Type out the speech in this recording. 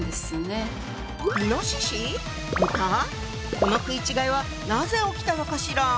この食い違いはなぜ起きたのかしら？